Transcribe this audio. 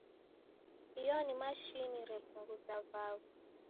Io ni mashini repunguza vaghu.